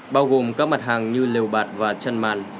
bao gồm các mặt hàng như liều bạt và chăn màn